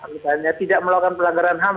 misalnya tidak melakukan pelanggaran ham